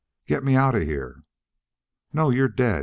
"Get me out of here." "No; you're dead.